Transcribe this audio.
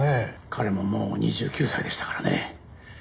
彼ももう２９歳でしたからね。